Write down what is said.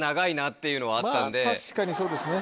まぁ確かにそうですね。